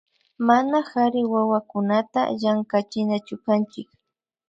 Mana kari wawakunata llankachinachukanchik